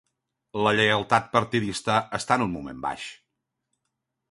La lleialtat partidista està en un moment baix.